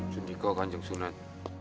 sundikok kanjeng sunan